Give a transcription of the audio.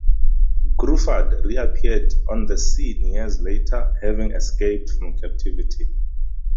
Gruffudd reappeared on the scene years later, having escaped from captivity.